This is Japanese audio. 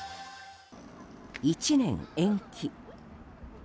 １年延期。